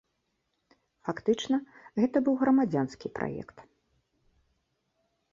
Фактычна, гэта быў грамадзянскі праект.